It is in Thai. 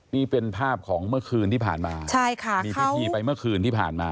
มีเป็นภาพของเมื่อคืนที่ผ่านมา